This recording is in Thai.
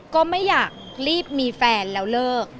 ก็ไม่อยากรีบมีแฟนแล้วเลิก